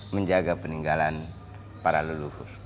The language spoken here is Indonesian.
menjaga peninggalan para leluhur